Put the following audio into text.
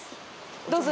どうぞ。